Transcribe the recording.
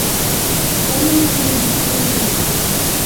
Сцена между родителями Кити.